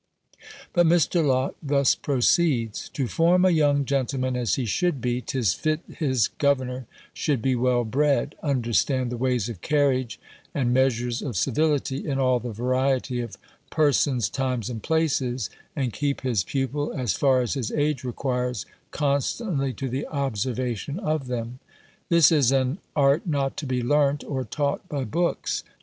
But Mr. Locke thus proceeds: "To form a young gentleman as he should be, 'tis fit his governor should be well bred, understand the ways of carriage, and measures of civility, in all the variety of persons, times, and places and keep his pupil, as far as his age requires, constantly to the observation of them. This is an art not to be learnt or taught by books.